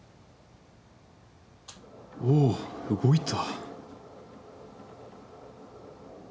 おおっ動いた。